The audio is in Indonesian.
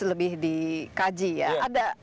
lebih dikaji ya ada